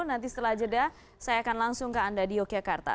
nanti setelah jeda saya akan langsung ke anda di yogyakarta